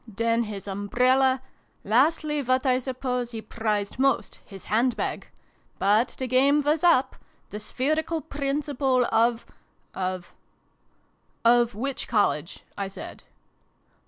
then his umbrella : lastly, what I suppose he prized most, his hand bag : but the game was up : the spherical Principal of of "Of which College?" I said.